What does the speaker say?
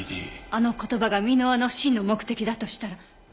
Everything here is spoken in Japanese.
あの言葉が箕輪の真の目的だとしたら。